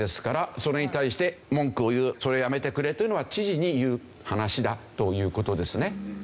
それに対して文句を言うそれやめてくれと言うのは知事に言う話だという事ですね。